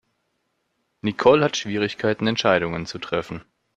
Nicole hat Schwierigkeiten Entscheidungen zu treffen.